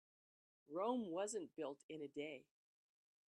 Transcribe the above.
Rome wasn't built in a day.